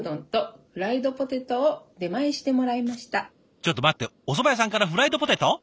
ちょっと待っておそば屋さんからフライドポテト？